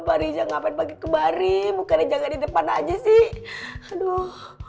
pak rija ngapain bagaimana kembari bukannya jangan di depan aja sih aduhh